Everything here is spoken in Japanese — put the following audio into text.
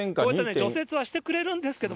除雪はしてくれるんですけれども。